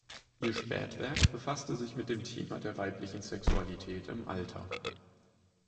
Ihr Spätwerk befasste sich mit dem Thema der weiblichen Sexualität im Alter.